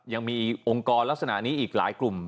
ยังมีองค์กรลักษณะนี้อีกหลายกลุ่ม